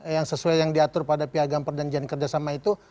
yang sesuai yang diatur pada piagam perjanjian kerjasama itu